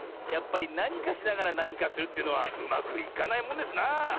やっぱりなにかしながらなにかするというのはうまくいかないもんですなあ。